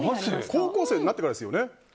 高校生になってからですよね。